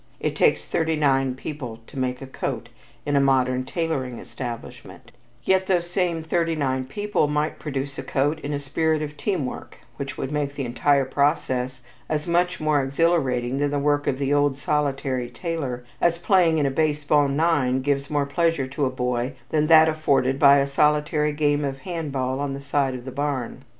It takes thirty nine people to make a coat in a modern tailoring establishment, yet those same thirty nine people might produce a coat in a spirit of "team work" which would make the entire process as much more exhilarating than the work of the old solitary tailor, as playing in a baseball nine gives more pleasure to a boy than that afforded by a solitary game of hand ball on the side of the barn.